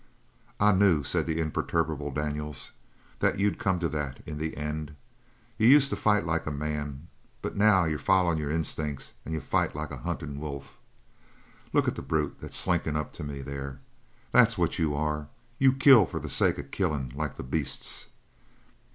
"I knew," said the imperturbable Daniels, "that you'd come to that in the end. You used to fight like a man, but now you're followin' your instincts, and you fight like a huntin' wolf. Look at the brute that's slinkin' up to me there! That's what you are. You kill for the sake of killin' like the beasts.